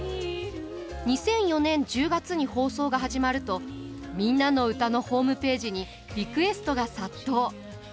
２００４年１０月に放送が始まると「みんなのうた」のホームページにリクエストが殺到。